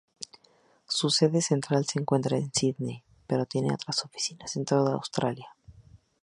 Su sede central se encuentra en Sídney, pero tiene oficinas en toda Australia.